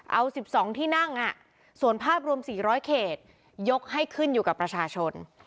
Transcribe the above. เอา๑๒ที่นั่งส่วนภาพรวม๔๐๐เขตยกให้ขึ้นอยู่กับประชาชน